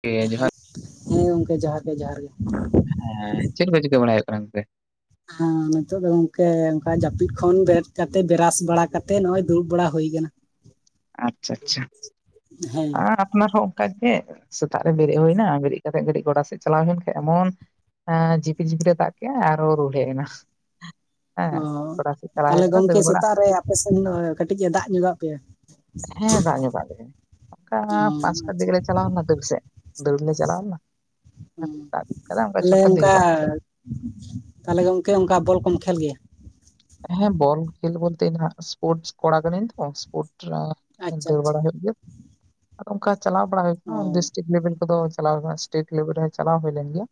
ᱴᱷᱤᱠ ᱡᱚᱦᱟᱨ ᱦᱮᱞᱳ, ᱦᱮᱸ ᱜᱚᱢᱠᱮ ᱡᱚᱦᱟᱨ ᱜᱮ ᱡᱚᱦᱟᱨ ᱜᱮ ᱦᱮᱸ ᱪᱮᱫ ᱠᱚ ᱪᱤᱠᱟᱹ ᱵᱟᱲᱟᱭ ᱦᱩᱭᱩᱜ ᱠᱟᱱᱟ ᱜᱚᱝᱠᱮ? ᱦᱮᱸ ᱱᱤᱛᱚᱜ ᱫᱚ ᱜᱚᱝᱠᱮ ᱚᱱᱠᱟ ᱡᱟᱹᱯᱤᱫ ᱠᱷᱚᱱ ᱵᱮᱨᱮᱫ ᱠᱟᱛᱮ ᱵᱟᱨᱟᱥ ᱵᱟᱲᱟ ᱠᱟᱛᱮᱜ ᱱᱚᱜ ᱚᱭ ᱫᱩᱲᱩᱵ ᱵᱟᱲᱟ ᱦᱩᱭ ᱟᱠᱟᱱᱟ ᱾ ᱟᱪᱪᱷᱟ ᱟᱪᱪᱷᱟ ᱦᱮᱸ ᱟᱯᱱᱟᱨ ᱦᱚᱸ ᱚᱱᱠᱟ ᱜᱮ ᱥᱮᱛᱟᱜ ᱨᱮ ᱵᱮᱨᱮᱫ ᱦᱩᱭ ᱮᱱᱟ ᱵᱮᱨᱮᱫ ᱠᱟᱛᱮᱜ ᱠᱟᱴᱤᱡ ᱜᱚᱰᱟ ᱥᱮᱫ ᱪᱟᱞᱟᱣ ᱦᱩᱭ ᱮᱱᱟ ᱠᱷᱟᱱ ᱮᱢᱚᱱ ᱡᱷᱤᱯᱤᱨ ᱡᱤᱯᱤᱨ ᱮ ᱫᱟᱜ ᱠᱮᱫ ᱟᱨ ᱦᱚᱸ ᱦᱩᱰᱤᱝ ᱦᱮᱡ ᱮᱱᱟ ᱦᱮᱸ ᱚ ᱜᱚᱰᱟ ᱥᱮᱫ ᱪᱟᱞᱟᱣ ᱛᱟᱦᱚᱞᱮ ᱦᱩᱭᱮᱱ ᱛᱮ ᱜᱚᱢᱠᱮ ᱫᱟᱹᱲ ᱵᱟᱲᱟ ᱥᱮᱛᱟᱜ ᱨᱮ ᱟᱯᱮ ᱥᱮᱱ ᱠᱟᱹᱴᱤᱡ ᱮ ᱫᱟᱜ ᱧᱚᱜ ᱟᱜ ᱯᱮᱭᱟ ᱦᱮᱸ ᱫᱟᱜ ᱧᱚᱜᱟᱜ ᱞᱮᱭᱟᱭ ᱚᱱᱠᱟ ᱚ ᱯᱟᱸᱪᱴᱟ ᱟᱪᱪᱷᱟ ᱫᱤᱠᱮ ᱞᱮ ᱪᱟᱞᱟᱣ ᱞᱮᱱᱟ ᱫᱟᱹᱲ ᱥᱮᱫ ᱫᱟᱹᱲ ᱞᱮ ᱪᱟᱞᱟᱣ ᱞᱮᱱᱟ ᱫᱟᱜ ᱜᱚᱫ ᱠᱟᱫᱟ ᱛᱟᱦᱚᱞᱮ ᱪᱷᱚᱴᱟ ᱫᱤᱠᱮ ᱚᱱᱠᱟ ᱫᱟᱜ ᱠᱮᱫᱟ ᱛᱟᱦᱚᱞᱮ ᱜᱚᱢᱠᱮ ᱚᱱᱠᱟ ᱵᱚᱞ ᱠᱚᱢ ᱠᱷᱮᱞ ᱜᱮᱭᱟ? ᱦᱮᱸ ᱵᱚᱞ ᱠᱷᱮᱞ ᱵᱚᱞᱛᱮ ᱤᱧ ᱦᱟᱸᱜ ᱥᱯᱳᱨᱴ ᱠᱚᱲᱟ ᱠᱟᱹᱱᱟᱹᱧ ᱛᱚ ᱥᱯᱳᱨᱴ ᱟᱪᱪᱷᱟ ᱫᱟᱹᱲ ᱟᱪᱪᱷᱟ ᱵᱟᱲᱟ ᱦᱩᱭᱩᱜ ᱜᱮᱭᱟ ᱟᱫᱚ ᱚᱱᱠᱟ ᱪᱟᱞᱟᱣ ᱵᱟᱲᱟ ᱦᱩᱭᱩᱜ ᱚ ᱠᱟᱱᱟ ᱰᱤᱥᱴᱤᱠ ᱞᱮᱵᱮᱞ ᱠᱚᱫᱚ ᱪᱟᱞᱟᱣ ᱟᱠᱟᱱᱟ ᱥᱴᱮᱴ ᱞᱮᱵᱮᱞ ᱨᱮ ᱪᱟᱞᱟᱣ ᱦᱩᱭ ᱞᱮᱱ ᱜᱮᱭᱟ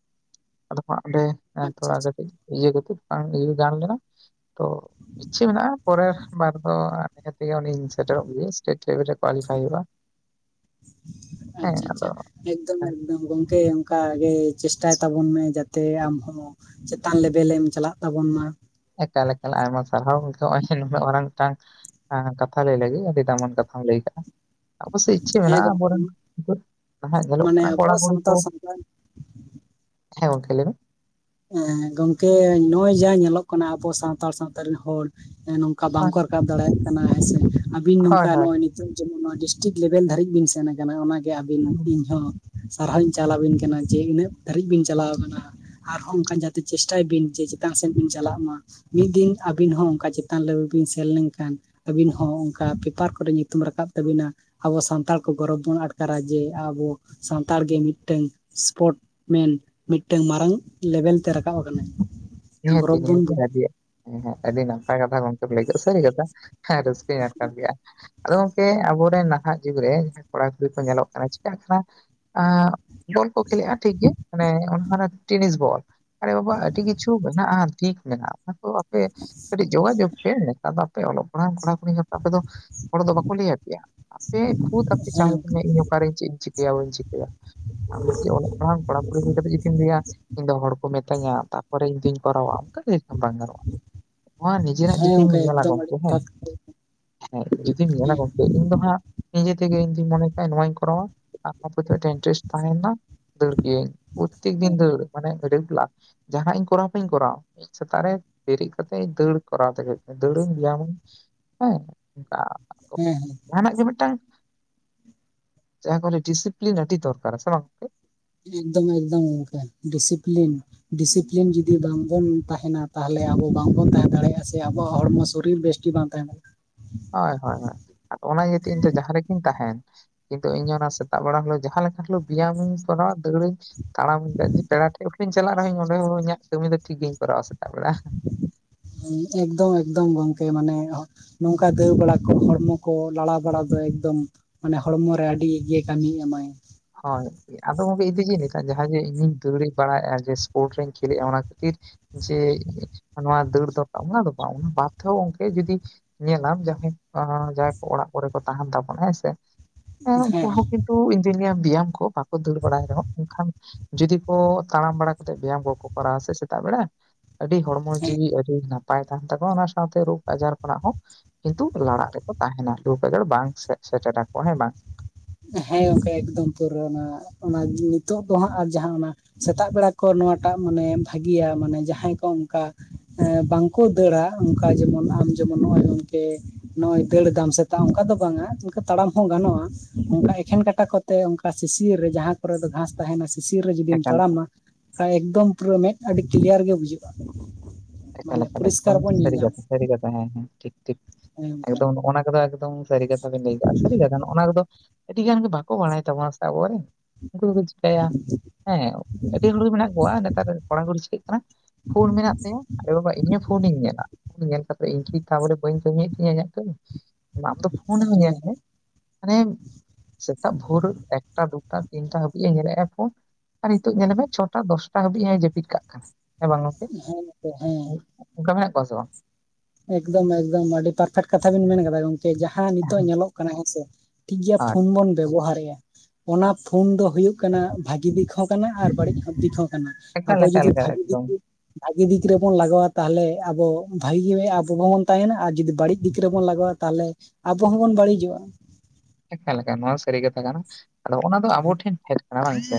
ᱟᱫᱚ ᱦᱟᱸᱜ ᱚᱸᱰᱮ ᱟᱪᱪᱷᱟ ᱛᱷᱚᱲᱟ ᱟᱪᱪᱷᱟ ᱠᱟᱹᱴᱤᱡ ᱤᱭᱟᱹ ᱠᱟᱛᱮ ᱵᱟᱝ ᱤᱭᱟᱹ ᱜᱟᱱ ᱞᱮᱱᱟ ᱛᱚ ᱤᱪᱪᱷᱟᱹ ᱢᱮᱱᱟᱜᱼᱟ ᱯᱚᱨᱮᱨ ᱵᱟᱨ ᱫᱚ ᱛᱷᱮᱠᱮ ᱩᱱᱤᱧ ᱥᱮᱴᱮᱨᱚᱜ ᱜᱮᱭᱟ ᱥᱴᱮᱴ ᱞᱮᱵᱮᱞ ᱨᱮ ᱠᱳᱣᱟᱞᱤᱯᱷᱟᱭ ᱦᱩᱭᱩᱜᱼᱟ ᱦᱮᱸ ᱟᱪᱪᱷᱟ ᱟᱫᱚ ᱟᱪᱪᱷᱟ ᱮᱠᱫᱚᱢ ᱮᱠᱫᱚᱢ ᱜᱚᱝᱠᱮ ᱚᱱᱠᱟ ᱜᱮ ᱪᱮᱥᱴᱟᱭ ᱛᱟᱵᱚᱱ ᱢᱮ ᱡᱟᱛᱮ ᱟᱢ ᱦᱚᱸ ᱪᱮᱛᱟᱱ ᱞᱮᱵᱮᱞ ᱮᱢ ᱪᱟᱞᱟᱜ ᱛᱟᱵᱚᱱ ᱢᱟ ᱮᱠᱟᱞ ᱮᱠᱟᱞ ᱟᱭᱢᱟ ᱥᱟᱨᱦᱟᱣ ᱱᱩᱱᱟᱹᱜ ᱢᱟᱨᱟᱝ ᱢᱤᱫᱴᱟᱝ ᱦᱮᱸ ᱠᱟᱛᱷᱟ ᱞᱟᱹᱭ ᱞᱟᱹᱜᱤᱫ ᱟᱹᱰᱤ ᱫᱟᱢᱟᱱ ᱠᱟᱛᱷᱟᱢ ᱞᱟᱹᱭ ᱟᱠᱟᱜᱼᱟ ᱚᱵᱚ ᱥᱮᱫ ᱤᱪᱪᱷᱟᱹ ᱦᱮᱸ ᱢᱮᱱᱟᱜᱼᱟ ᱟᱵᱚ ᱜᱚᱝᱠᱮ ᱨᱮᱱᱟᱜ ᱧᱮᱞᱚᱜ ᱢᱟᱱᱮ ᱠᱟᱱᱟ ᱟᱵᱚ ᱠᱚᱲᱟᱼ ᱠᱩᱲᱤ ᱠᱚ ᱥᱟᱱᱛᱟᱲ ᱥᱟᱱᱛᱟᱲ ᱦᱮᱸ ᱜᱚᱢᱠᱮ ᱞᱟᱹᱭ ᱢᱮ ᱜᱚᱝᱠᱮ ᱱᱚᱜᱼᱚᱭ ᱡᱟᱦᱟᱸ ᱧᱮᱞᱚᱜ ᱠᱟᱱᱟ ᱟᱵᱚ ᱥᱟᱱᱛᱟᱲ ᱥᱟᱶᱛᱟ ᱨᱮᱱ ᱦᱚᱲ ᱱᱚᱝᱠᱟ ᱵᱟᱝᱠᱚ ᱨᱟᱠᱟᱵ ᱫᱟᱲᱮᱭᱟᱜ ᱠᱟᱱᱟ ᱦᱮᱸᱥᱮ ᱟᱹᱵᱤᱱ ᱦᱳᱭ ᱱᱚᱝᱠᱟ ᱦᱳᱭ ᱱᱚᱜᱼᱚᱭ ᱱᱤᱛᱳᱜ ᱡᱮᱢᱚᱱ ᱱᱚᱣᱟ ᱰᱤᱥᱴᱤᱠ ᱞᱮᱵᱮᱞ ᱫᱷᱟᱹᱵᱤᱡ ᱵᱤᱱ ᱥᱮᱱ ᱟᱠᱟᱱᱟ ᱚᱱᱟ ᱜᱮ ᱟᱹᱵᱤᱱ ᱤᱧ ᱦᱚᱸ ᱥᱟᱨᱦᱟᱣ ᱤᱧ ᱪᱟᱞ ᱟᱹᱵᱤᱱ ᱠᱟᱱᱟ ᱡᱮ ᱤᱱᱟᱹᱜ ᱫᱷᱟᱹᱨᱤᱡ ᱵᱤᱱ ᱪᱟᱞᱟᱣ ᱟᱠᱟᱱᱟ ᱟᱨᱦᱚᱸ ᱚᱱᱠᱟ ᱡᱟᱛᱮ ᱪᱮᱥᱴᱟᱭ ᱵᱤᱱ ᱡᱮ ᱪᱮᱛᱟᱱ ᱥᱮᱫ ᱵᱤᱱ ᱪᱟᱞᱟᱜ ᱢᱟ ᱾ ᱢᱤᱫ ᱫᱤᱱ ᱟᱹᱵᱤᱱ ᱦᱚᱸ ᱚᱱᱠᱟ ᱪᱮᱛᱟᱱ ᱞᱮᱵᱮᱞ ᱵᱤᱱ ᱥᱮᱱ ᱞᱮᱱᱠᱷᱟᱱ ᱟᱹᱵᱤᱱ ᱦᱚᱸ ᱚᱱᱠᱟ ᱯᱮᱯᱟᱨ ᱠᱚᱨᱮ ᱧᱩᱛᱩᱢ ᱨᱟᱠᱟᱵ ᱛᱟᱹᱵᱤᱱᱟ ᱟᱵᱚ ᱥᱟᱱᱛᱟᱲ ᱠᱚ ᱜᱚᱨᱚᱵᱽ ᱵᱚᱱ ᱟᱴᱠᱟᱨᱟ ᱡᱮ ᱟᱵᱚ ᱥᱟᱱᱛᱟᱲ ᱜᱮ ᱢᱤᱫᱴᱝ ᱥᱯᱚᱴ ᱢᱮᱱ ᱢᱤᱫᱴᱟᱝ ᱢᱟᱨᱟᱝ ᱞᱮᱵᱮᱞ ᱛᱮ ᱨᱟᱠᱟᱵ ᱟᱠᱟᱱᱟᱭ ᱾ ᱱᱤᱦᱟᱹᱛᱤ ᱱᱤᱦᱟᱹᱜᱮ ᱟᱹᱰᱤ ᱦᱮᱸ ᱟᱹᱰᱤ ᱱᱟᱯᱟᱭ ᱠᱟᱛᱷᱟ ᱜᱚᱝᱠᱮᱢ ᱞᱟᱹᱭ ᱠᱮᱫᱼᱟ ᱥᱟᱹᱨᱤ ᱠᱟᱛᱷᱟ ᱦᱮᱸ ᱨᱟᱹᱥᱠᱟᱹᱧ ᱟᱴᱠᱟᱨ ᱠᱮᱜ-ᱟ ᱾ ᱟᱫᱚ ᱜᱚᱝᱠᱮ ᱟᱵᱚᱨᱮᱱ ᱱᱟᱦᱟᱜ ᱡᱩᱜᱽ ᱨᱮ ᱡᱟᱦᱟᱸᱭ ᱠᱚᱲᱟ ᱠᱩᱲᱤ ᱠᱚ ᱧᱮᱞᱚᱜ ᱠᱟᱱᱟ ᱪᱤᱠᱟᱹᱜ ᱠᱟᱱᱟ ᱵᱚᱞ ᱠᱚ ᱠᱷᱮᱞ ᱞᱮᱜ-ᱟ ᱴᱷᱤᱠᱜᱮ ᱢᱟᱱᱮ ᱚᱱᱟ ᱴᱮᱱᱤᱥ ᱵᱚᱞ ᱟᱨᱮᱵᱟᱵᱟ ᱟᱹᱰᱤ ᱴᱷᱤᱠ ᱢᱮᱱᱟᱜᱼᱟ ᱚᱱᱟ ᱠᱚ ᱟᱯᱮ ᱠᱟᱹᱴᱤᱡ ᱡᱳᱜᱟ ᱡᱳᱜᱽ ᱯᱮ ᱱᱮᱛᱟᱨ ᱫᱚ ᱟᱯᱮ ᱚᱞᱚᱜ ᱯᱟᱲᱦᱟᱜ ᱠᱚᱲᱟᱼ ᱠᱩᱲᱤ ᱟᱯᱮ ᱫᱚ ᱦᱚᱲ ᱫᱚ ᱵᱟᱠᱚ ᱞᱟᱹᱭ ᱟᱯᱮᱭᱟ ᱟᱯᱮ ᱠᱷᱩᱫ ᱟᱯᱮ ᱦᱮᱸ ᱪᱟᱜ ᱜᱚᱝᱠᱮ ᱠᱟᱱᱟ ᱤᱧ ᱚᱠᱟᱨᱮ ᱪᱮᱫ ᱤᱧ ᱪᱤᱠᱟᱹᱭᱟ ᱵᱟᱹᱧ ᱪᱤᱠᱟᱹᱭᱟ ᱟᱢ ᱫᱚ ᱪᱮᱫ ᱚᱞᱚᱜ ᱯᱟᱲᱦᱟᱜ ᱠᱚᱲᱟ ᱠᱩᱲᱤ ᱦᱩᱭ ᱠᱟᱛᱮ ᱡᱩᱫᱤᱢ ᱞᱟᱹᱭᱟ ᱤᱧ ᱫᱚ ᱦᱚᱲ ᱠᱚ ᱢᱤᱛᱹᱧᱟ ᱛᱚᱨ ᱤᱧ ᱛᱤᱧ ᱠᱚᱨᱟᱣᱟ ᱚᱱᱠᱟ ᱞᱟᱹᱭ ᱞᱮᱠᱷᱟᱱ ᱵᱟᱝ ᱜᱟᱱᱚᱜᱼᱟ ᱱᱚᱣᱟ ᱱᱤᱡᱮᱨᱟᱜ ᱦᱮᱸ ᱡᱩᱫᱤᱢ ᱜᱚᱝᱠᱮ ᱧᱮᱞᱟ ᱮᱠᱫᱚᱢ ᱟᱹᱰᱤ ᱜᱚᱝᱠᱮ ᱦᱮᱸ ᱡᱚᱛᱷᱟᱛ ᱦᱮᱸ ᱡᱩᱫᱤᱢ ᱧᱮᱞᱟ ᱦᱮᱸ ᱜᱚᱝᱠᱮ ᱤᱧ ᱫᱚ ᱦᱟᱸᱜ ᱱᱤᱡᱮ ᱛᱮᱜᱮ ᱤᱧᱫᱩᱧ ᱢᱚᱱᱮ ᱠᱟᱜ-ᱟ ᱱᱚᱣᱟᱧ ᱠᱚᱨᱟᱣᱟ ᱟᱨ ᱟᱯᱟᱛᱚᱛᱚ ᱤᱱᱴᱨᱮᱥᱴ ᱛᱟᱦᱮᱱᱟ ᱫᱟᱹᱲ ᱠᱟᱹᱧ ᱯᱨᱚᱛᱛᱮᱠ ᱫᱤᱱ ᱫᱟᱹᱲ ᱢᱟᱱᱮ ᱟᱹᱰᱤ ᱵᱮᱞᱟ ᱡᱟᱦᱟᱸ ᱤᱧ ᱠᱚᱨᱟᱣ ᱵᱟᱹᱧ ᱠᱚᱨᱟᱣᱟ ᱥᱮᱛᱟᱜ ᱨᱮ ᱵᱮᱨᱮᱫ ᱠᱟᱛᱮᱜ ᱫᱟᱹᱲ ᱤᱧ ᱠᱚᱨᱟᱣ ᱛᱮ ᱜᱮ ᱦᱩᱭᱩᱜ ᱛᱤᱧᱟ ᱫᱟᱹᱲᱟᱹᱧ ᱵᱮᱭᱟᱢᱟᱹᱧ ᱦᱮᱸ ᱦᱮᱸ ᱡᱟᱦᱟ ᱱᱟᱜ ᱜᱮ ᱢᱤᱫᱴᱟᱝ ᱡᱟᱦᱟᱸ ᱠᱚ ᱞᱟᱹᱭ-ᱟ ᱰᱤᱥᱤᱯᱞᱤᱱ ᱟᱹᱰᱤ ᱫᱚᱨᱠᱟ ᱥᱮ ᱵᱟᱝ ᱮᱠᱫᱚᱢ ᱮᱠᱫᱚᱢ ᱜᱚᱢᱠᱮ ᱰᱤᱥᱤᱯᱞᱤᱱ ᱰᱤᱥᱤᱯᱞᱤᱱ ᱡᱩᱫᱤ ᱵᱟᱝᱵᱚᱱ ᱛᱟᱦᱮᱱᱟ ᱛᱟᱦᱚᱞᱮ ᱟᱵᱚ ᱵᱟᱝᱵᱚᱱ ᱛᱟᱦᱮᱸ ᱫᱟᱲᱮᱭᱟᱜᱼᱟ ᱥᱮ ᱟᱵᱚᱣᱟᱜ ᱦᱚᱲᱢᱚ ᱥᱚᱨᱤᱨ ᱵᱮᱥ ᱜᱤ ᱵᱟᱝ ᱛᱟᱦᱮᱱᱟ᱾ ᱦᱳᱭ ᱦᱳᱭ ᱦᱳᱭ ᱚᱱᱟ ᱜᱤᱛᱚ ᱤᱧᱫᱚ ᱡᱟᱦᱟᱸ ᱨᱮᱜᱤᱧ ᱛᱟᱦᱮᱱ ᱠᱤᱱᱛᱩ ᱤᱧ ᱚᱱᱟ ᱥᱮᱛᱟᱜ ᱵᱮᱲᱟ ᱦᱳᱞᱳ ᱡᱟᱦᱟᱸ ᱞᱮᱠᱟ ᱦᱳᱞᱳᱜ ᱵᱮᱭᱟᱢᱤᱧ ᱠᱚᱨᱟᱣᱟ ᱫᱟᱹᱲᱟᱹᱧ ᱛᱟᱲᱟ [inaudible] ᱯᱮᱲᱟ ᱴᱷᱮᱡ ᱦᱚᱧ ᱪᱟᱞᱟᱜ ᱨᱮᱦᱚᱸᱧ ᱚᱸᱰᱮ ᱦᱚᱸ ᱤᱧᱟᱹᱜ ᱠᱟᱹᱢᱤ ᱫᱚ ᱴᱷᱤᱠ ᱜᱤᱧ ᱠᱚᱨᱟᱣᱟ ᱥᱮᱛᱟᱜ ᱵᱮᱲᱟ᱾ ᱦᱮᱸ ᱮᱠᱫᱚᱢ ᱮᱠᱫᱚᱢ ᱜᱚᱝᱠᱮ ᱢᱟᱱᱮ ᱱᱚᱝᱠᱟ ᱫᱟᱹᱲ ᱵᱟᱲᱟ ᱠᱚ ᱦᱚᱲᱢᱚ ᱠᱚ ᱞᱟᱲᱟ ᱵᱟᱲᱟ ᱫᱚ ᱮᱠᱫᱚᱢ ᱢᱟᱱᱮ ᱦᱚᱲᱢᱚ ᱨᱮ ᱟᱹᱰᱤ ᱜᱮ ᱠᱟᱹᱢᱤᱭ ᱮᱢᱟᱭ᱾ ᱦᱳᱭ ᱟᱫᱚ ᱜᱚᱢᱠᱮ ᱤᱧᱫᱚ ᱡᱮᱞᱮᱠᱟ ᱡᱟᱦᱟᱸ ᱫᱚ ᱤᱧᱤᱧ ᱫᱟᱹᱲ ᱵᱟᱲᱟᱭᱮᱫᱼᱟ ᱡᱮ ᱥᱯᱳᱨᱴᱥ ᱨᱮᱧ ᱠᱷᱮᱞᱮᱜᱼᱟ ᱚᱱᱟ ᱠᱷᱟᱹᱛᱤᱨ ᱡᱮ ᱱᱚᱣᱟ ᱫᱟᱹᱲ ᱫᱷᱟᱯᱟ ᱚᱱᱟ ᱫᱚ ᱵᱟᱝ ᱵᱟᱫᱽᱫᱚ ᱚᱱᱠᱮ ᱡᱩᱫᱤ ᱧᱮᱞᱟᱢ ᱡᱟᱦᱟᱸᱭ ᱡᱟᱦᱟᱸᱭ ᱠᱚ ᱚᱲᱟᱜ ᱠᱚᱨᱮ ᱠᱚ ᱛᱟᱦᱮᱱ ᱛᱟᱵᱚᱱᱟ ᱦᱮᱸᱥᱮ ᱦᱮᱸ ᱩᱱᱠᱩ ᱦᱚᱸ ᱠᱤᱱᱛᱩ ᱤᱧ ᱫᱩᱧ ᱞᱟᱹᱭᱟ ᱵᱮᱭᱟᱢ ᱠᱚ ᱵᱟᱠᱚ ᱫᱟᱹᱲ ᱵᱟᱲᱟᱭ ᱨᱮᱦᱚᱸ ᱚᱱᱠᱷᱟᱱ ᱡᱩᱫᱤ ᱠᱚ ᱛᱟᱲᱟᱢ ᱵᱟᱲᱟ ᱠᱟᱛᱮᱫ ᱵᱮᱭᱟᱢ ᱠᱚᱠᱚ ᱠᱚᱨᱟᱣᱟ ᱥᱮ ᱥᱮᱛᱟᱜ ᱵᱮᱲᱟ ᱟᱹᱰᱤ ᱦᱚᱲᱢᱚ ᱡᱤᱣᱤ ᱟᱹᱰᱤ ᱱᱟᱯᱟᱭ ᱛᱟᱦᱮᱱ ᱛᱟᱠᱚᱣᱟ ᱚᱱᱟ ᱥᱟᱶᱛᱮ ᱨᱳᱜᱽ ᱟᱡᱟᱨ ᱠᱷᱚᱱᱟᱜ ᱦᱚᱸ ᱠᱤᱱᱛᱩ ᱞᱟᱲᱟᱜ ᱨᱮᱠᱚ ᱛᱟᱦᱮᱱᱟ ᱨᱳᱠ ᱟᱡᱟᱨ ᱵᱟᱝ ᱥᱮ ᱥᱮᱴᱮᱨ ᱟᱠᱚᱣᱟ, ᱦᱮᱸ ᱵᱟᱝ? ᱦᱮᱸ ᱜᱚᱝᱠᱮ ᱮᱠᱫᱚᱢ ᱯᱩᱨᱟᱹ ᱚᱱᱟ ᱚᱱᱟ ᱱᱤᱛᱚᱜ ᱫᱚ ᱦᱟᱸᱜ ᱟᱨ ᱡᱟᱦᱟᱸ ᱚᱱᱟ ᱥᱮᱛᱟᱜ ᱵᱮᱲᱟ ᱠᱚ ᱱᱚᱣᱟ ᱴᱟᱜ ᱢᱟᱱᱮ ᱵᱷᱟᱹᱜᱤᱭᱟ ᱢᱟᱱᱮ ᱡᱟᱦᱟᱸᱭ ᱠᱚ ᱚᱱᱠᱟ ᱵᱟᱝ ᱠᱚ ᱫᱟᱹᱲᱟ ᱚᱱᱠᱟ ᱡᱮᱢᱚᱱ ᱟᱢ ᱡᱮᱢᱚᱱ ᱱᱚᱜᱼᱚᱭ ᱱᱚᱱᱛᱮ ᱱᱚᱜᱼᱚᱭ ᱫᱟᱹᱲ ᱫᱟᱢ ᱥᱮᱛᱟᱜ ᱚᱱᱠᱟ ᱫᱚ ᱵᱟᱝ ᱟ ᱚᱱᱠᱟ ᱛᱟᱲᱟᱢ ᱦᱚᱸ ᱜᱟᱱᱚᱜᱼᱟ, ᱚᱱᱠᱟ ᱮᱠᱷᱮᱱ ᱠᱟᱴᱟ ᱠᱚᱛᱮ ᱚᱱᱠᱟ ᱥᱤᱥᱤᱨ ᱨᱮ ᱡᱟᱦᱟᱸ ᱠᱚᱨᱮ ᱫᱚ ᱜᱷᱟᱸᱥ ᱛᱟᱦᱮᱱᱟ ᱥᱤᱥᱤᱨ ᱨᱮ ᱡᱩᱫᱤᱢ ᱮᱠᱟᱞ ᱮᱠᱟᱞ᱾ ᱛᱟᱲᱟᱢᱟ ᱟᱨ ᱮᱠᱫᱚᱢ ᱯᱩᱨᱟᱹ ᱢᱮᱫ ᱟᱹᱰᱤ ᱠᱞᱤᱭᱟᱨ ᱜᱮ ᱵᱩᱡᱷᱟᱹᱜᱼᱟ, ᱮᱠᱟᱞ ᱢᱟᱱᱮ ᱮᱠᱟᱞ ᱮᱠᱫᱚᱢ ᱯᱚᱨᱤᱥᱠᱟᱨ ᱵᱚᱱ ᱧᱮᱞ ᱥᱟᱹᱨᱤ ᱧᱟᱢᱟ᱾ ᱠᱟᱛᱷᱟ ᱥᱟᱹᱨᱤ ᱠᱟᱛᱷᱟ ᱦᱮᱸ ᱦᱮᱸ ᱴᱷᱤᱠ ᱴᱷᱤᱠ ᱦᱮᱸ ᱜᱚᱝᱠᱮ ᱮᱠᱫᱚᱢ ᱱᱚᱜ-ᱱᱟ ᱠᱚᱫᱚ ᱮᱠᱫᱚᱢ ᱥᱟᱹᱨᱤ ᱠᱟᱛᱷᱟ ᱵᱮᱤᱱ ᱞᱟᱹᱭ ᱠᱟᱜᱼᱟ ᱥᱟᱹᱨᱤ ᱠᱟᱛᱷᱟ ᱱᱚᱜᱚᱱᱟ ᱠᱚᱫᱚ ᱟᱹᱰᱤ ᱜᱟᱱ ᱜᱮ ᱵᱟᱠᱚ ᱵᱟᱲᱟᱭ ᱛᱟᱵᱚᱱᱟ ᱥᱮ ᱟᱵᱚ ᱨᱮᱱ, ᱩᱱᱠᱩ ᱫᱚᱠᱚ ᱪᱤᱠᱟᱹᱭᱟ ᱦᱮᱸ ᱟᱹᱰᱤ ᱦᱚᱲ ᱜᱮ ᱢᱮᱱᱟᱜ ᱠᱚᱣᱟ ᱱᱮᱛᱟᱨ ᱠᱚᱲᱟ ᱠᱩᱲᱤ ᱪᱤᱠᱟᱹᱜ ᱠᱟᱱᱟ ᱯᱷᱩᱱ ᱢᱮᱱᱟᱜ ᱛᱮ ᱟᱨᱮ ᱵᱟᱵᱟ ᱤᱧ ᱦᱚᱸ ᱯᱷᱳᱱᱤᱧ ᱧᱮᱞᱟ ᱧᱮᱞ ᱠᱟᱛᱮᱫ ᱤᱧ ᱠᱤ ᱛᱟᱞᱮ ᱵᱟᱹᱧ ᱠᱟᱹᱢᱤ ᱭᱮᱫ ᱛᱤᱧᱟᱹ ᱤᱧᱟᱹᱜ ᱠᱟᱹᱢᱤ ᱾ [inaudible] ᱫᱚ ᱯᱷᱳᱱ ᱧᱮᱞ ᱢᱮ᱾ [inaudible] ᱥᱮᱛᱟᱜ ᱵᱷᱳᱨ ᱮᱠᱴᱟ ᱫᱩᱴᱟ ᱛᱤᱱᱴᱟ ᱦᱟᱹᱵᱤᱡ ᱮ ᱧᱮᱞᱮᱫᱼᱟ ᱯᱳᱱ ᱟᱨ ᱱᱤᱛᱚᱜ ᱧᱮᱞ ᱢᱮ ᱪᱷᱚᱴᱟ ᱫᱚᱥᱴᱟ ᱦᱟᱹᱵᱤᱡ ᱡᱟᱹᱯᱤᱫ ᱠᱟᱜ ᱠᱟᱱᱟ᱾ ᱦᱮᱸ ᱵᱟᱝ ᱜᱚᱝᱠᱮ? ᱦᱮᱸ ᱜᱚᱝᱠᱮ ᱦᱮᱸ᱾ ᱚᱱᱠᱟ ᱢᱮᱱᱟᱜ ᱠᱚᱣᱟ ᱥᱮ ᱵᱟᱝ? ᱮᱠᱫᱚᱢ ᱮᱠᱫᱚᱢ ᱟᱹᱰᱤ ᱯᱟᱨᱯᱷᱮᱠᱴ ᱠᱟᱛᱷᱟ ᱵᱤᱱ ᱢᱮᱱ ᱟᱠᱟᱫᱟ ᱜᱚᱝᱠᱮ ᱡᱟᱦᱟᱸ ᱱᱤᱛᱚᱜ ᱧᱮᱞᱚᱜ ᱠᱟᱱᱟ ᱦᱮᱸᱥᱮ ᱾ ᱴᱷᱤᱠ ᱜᱮᱭᱟ ᱦᱳᱭ ᱯᱷᱚᱱ ᱵᱚᱱ ᱵᱮᱵᱷᱚᱦᱟᱨᱮᱭ-ᱟ ᱾ ᱚᱱᱟ ᱯᱷᱳᱱ ᱫᱚ ᱦᱩᱭᱩᱜ ᱠᱟᱱᱟ ᱵᱷᱟᱹᱜᱤ ᱫᱤᱠᱷᱟᱣ ᱠᱟᱱᱟ ᱟᱨ ᱵᱟᱹᱲᱤᱡ ᱦᱚᱸ ᱫᱤᱠᱷᱟᱣ ᱠᱟᱱᱟᱭᱮ ᱮᱠᱟᱞ ᱟᱵᱚ ᱮᱠᱟᱞ ᱡᱩᱫᱤ ᱮᱠᱟᱞ ᱵᱷᱟᱜᱤ ᱫᱤᱠ ᱮᱠᱫᱚᱢ ᱵᱷᱟᱜᱤ ᱫᱤᱠ ᱨᱮᱵᱚᱱ ᱞᱟᱜᱟᱣᱟ ᱛᱟᱦᱚᱞᱮ ᱟᱵᱚ ᱵᱷᱟ [unintelligible] ᱟᱵᱚ ᱦᱚᱸᱵᱚᱱ ᱛᱟᱦᱮᱱᱟ ᱟᱨ ᱡᱩᱫᱤ ᱵᱟᱹᱲᱤᱡ ᱫᱤᱠ ᱨᱮᱵᱚᱱ ᱞᱟᱜᱟᱣ-ᱟ ᱛᱟᱦᱚᱞᱮ ᱟᱵᱚ ᱦᱚᱸᱵᱚᱱ ᱵᱟᱹᱲᱤᱡᱚᱜ-ᱟ ᱾ ᱮᱠᱟᱞᱮᱠᱟ ᱱᱚᱣᱟ ᱥᱟᱹᱨᱤ ᱠᱟᱛᱷᱟ ᱠᱟᱱᱟ, ᱟᱫᱚ ᱚᱱᱟ ᱫᱚ ᱟᱵᱚ ᱴᱷᱮᱱ [unintelligible] [unintelligible] ᱵᱟᱝ ᱥᱮ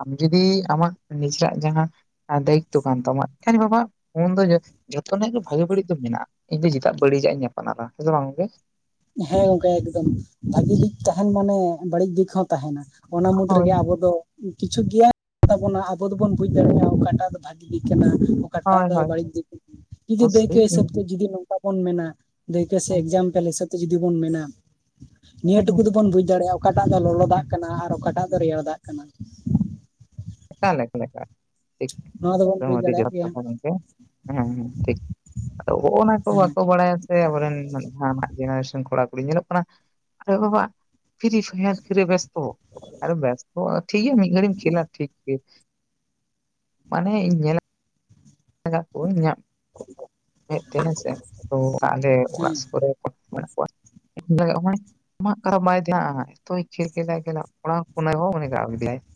ᱟᱢ ᱡᱩᱫᱤ ᱟᱢᱟᱜ ᱱᱤᱡᱮᱨᱟᱜ ᱡᱟᱦᱟᱸ ᱟᱨ ᱫᱟᱭᱤᱛᱛᱚ ᱠᱟᱱ ᱛᱟᱢᱟ ᱮᱱ ᱵᱟᱵᱟ ᱩᱱ ᱫᱚ [unintelligible] ᱡᱚᱛᱚᱱᱟᱜ ᱜᱮ ᱵᱷᱟᱜᱮ ᱵᱟᱹᱲᱤᱡ ᱫᱚ ᱢᱮᱱᱟᱜ-ᱟ ᱤᱧ ᱫᱚ ᱪᱮᱫᱟᱜ ᱵᱟᱹᱲᱤᱡᱟᱜ ᱤᱧ ᱟᱯᱱᱟᱨᱟ ᱦᱮᱸᱥᱮ ᱵᱟᱝ ᱜᱟᱝᱠᱮ ᱾ ᱦᱮᱸ ᱜᱚᱝᱠᱮ ᱮᱠᱫᱚᱢ ᱵᱷᱹᱟᱜᱤ ᱫᱤᱠ ᱛᱟᱦᱮᱱ ᱢᱟᱱᱮ ᱵᱟᱹᱲᱤᱡ ᱫᱤᱠ ᱦᱚᱸ ᱛᱟᱦᱮᱱᱟ ᱾ ᱚᱱᱟ ᱢᱩᱫᱽ ᱦᱳᱭ ᱨᱮᱜᱮ ᱟᱵᱚ ᱫᱚ ᱠᱤᱪᱷᱩ ᱜᱮᱭᱟᱱ ᱛᱟᱵᱚᱱᱟ ᱟᱵᱚ ᱫᱚᱵᱚᱱ ᱵᱩᱡᱽ ᱫᱟᱲᱮᱭᱟᱜ-ᱟ ᱚᱠᱟᱴᱟᱜ ᱫᱚ ᱵᱷᱹᱟᱜᱤ ᱫᱤᱠ ᱠᱟᱱᱟ ᱚᱠᱟᱴᱟᱜ ᱦᱳᱭ ᱫᱚ ᱦᱳᱭ ᱵᱟᱹᱲᱤᱡ ᱫᱤᱠᱟᱹ ᱡᱩᱫᱤ ᱫᱟᱹᱭᱠᱟᱹ ᱚᱵᱚᱥᱥᱳᱭ ᱦᱤᱥᱟᱹᱵ ᱤᱧ ᱛᱮ ᱡᱩᱫᱤ ᱱᱚᱝᱠᱟ ᱵᱚᱱ ᱢᱮᱱᱟ ᱫᱟᱹᱭᱠᱟᱹ ᱥᱮ ᱦᱮᱸ ᱮᱠᱡᱟᱢᱯᱮᱞ ᱦᱤᱥᱟᱹᱵ ᱛᱮ ᱡᱩᱫᱤ ᱵᱚᱱ ᱢᱮᱱᱟ ᱱᱤᱭᱟᱹ ᱦᱮᱸ ᱴᱩᱠᱩ ᱦᱮᱸ ᱫᱚᱵᱚᱱ ᱵᱩᱡᱽ ᱫᱟᱲᱮᱭᱟᱜ-ᱟ ᱚᱠᱟᱴᱟᱜ ᱫᱚ ᱞᱚᱞᱚ ᱦᱮᱸ ᱫᱟᱜᱽ ᱠᱟᱱᱟ ᱟᱨ ᱚᱠᱟᱴᱟᱜ ᱫᱚ ᱨᱮᱭᱟᱲ ᱫᱟᱜᱽ ᱠᱟᱱᱟ ᱾ ᱚᱠᱟ ᱞᱮᱠᱷ ᱞᱮᱠᱟ ᱴᱷᱤᱠ ᱱᱚᱣᱟ ᱫᱚᱵᱚᱱ ᱵᱩᱡᱽ ᱟᱹᱰᱤ ᱫᱟᱲᱮᱭᱟᱜ ᱡᱚᱛᱷᱟᱛ ᱜᱮᱭᱟ ᱠᱟᱛᱷᱟ ᱢᱮᱱᱛᱮ ᱦᱮᱸ ᱦᱮᱸ ᱴᱷᱤᱠ ᱟᱫᱚ ᱚᱚᱱᱟ ᱠᱚ ᱦᱮᱸ ᱵᱟᱠᱚ ᱵᱟᱰᱟᱭᱟ ᱥᱮ ᱟᱵᱚᱨᱮᱱ ᱡᱟᱦᱟᱱᱟᱜ ᱡᱤᱱᱤᱥ ᱠᱚᱲᱟ ᱠᱩᱲᱤ ᱧᱮᱞᱚᱜ ᱠᱟᱱᱟ ᱟᱨᱮ ᱵᱟᱵᱟ ᱯᱷᱤᱨᱤ ᱯᱷᱟᱭᱟᱨ ᱠᱤᱨᱮ ᱵᱮᱥ ᱚ ᱦᱚ ᱟᱨᱮ ᱵᱮᱥᱛᱚ ᱴᱷᱤᱠᱜᱮᱭᱟ ᱢᱤᱫ ᱜᱷᱟᱹᱲᱤᱢ ᱠᱷᱮᱞᱟ ᱴᱷᱤᱠ ᱜᱮ ᱢᱟᱱᱮ ᱤᱧ ᱧᱮᱞ [inaudible] ᱟᱠᱟᱫ ᱠᱚᱣᱟᱧ ᱤᱧᱟᱹᱜ ᱢᱮᱫ ᱛᱮ ᱦᱮᱸᱥᱮ ᱛᱚ ᱟᱞᱮ ᱦᱮᱸ ᱚᱲᱟᱜ ᱥᱩᱨ ᱠᱚᱨᱮ ᱢᱮᱱᱟᱜ ᱠᱚᱣᱟ ᱾ ᱢᱟᱜ ᱠᱟᱨᱟ ᱵᱟᱭ ᱛᱟᱦᱮᱸᱱᱟ ᱮᱛᱚᱭ ᱠᱷᱤᱨ ᱠᱮᱫᱟᱭ ᱚᱲᱟᱜ ᱯᱩᱱᱟᱭ ᱦᱚᱸ ᱩᱱᱤ ᱨ ᱠᱮᱫᱮᱭᱟᱭ [unintelligible]